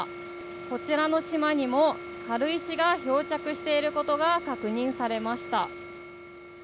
こちらの島にも、軽石が漂着していることが確認されました。